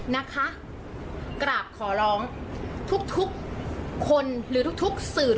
นะคะกราบขอร้องทุกทุกคนหรือทุกทุกสื่อ